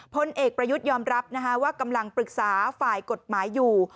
พลเอกประยุทธ์ยอมรับว่ากำลังปรึกษาฝ่ายกฎหมายอยู่